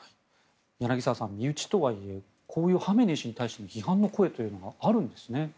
柳澤さん、身内とはいえこういうハメネイ師に対しての批判の声というのがあるんですね。